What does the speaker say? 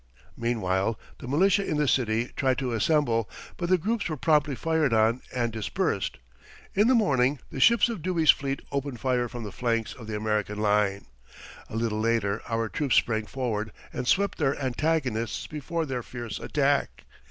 Meanwhile, the militia in the city tried to assemble, but the groups were promptly fired on and dispersed. In the morning the ships of Dewey's fleet opened fire from the flanks of the American line. A little later our troops sprang forward and swept their antagonists before their fierce attack.